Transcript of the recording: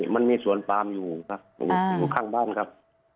มันมีสวนปามอยู่ครับอยู่ข้างบ้านครับ